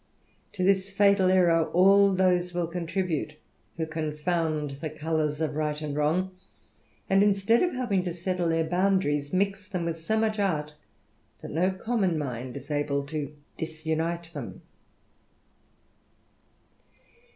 To this fatal errour all those will contribute, who confound the colours of right and wrong, and, instead of helping to settle their boundaries, mix them with so much art, that no common mind is able to disunite them.